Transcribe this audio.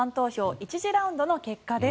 １次ラウンドの結果です。